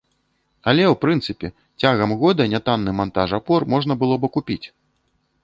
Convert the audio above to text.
Але, у прынцыпе, цягам года нятанны мантаж апор можна было б акупіць.